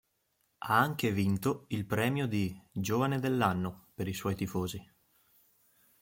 Ha anche vinto il premio di "Giovane dell'anno" per i suoi tifosi.